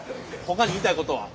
ほかに言いたいことは？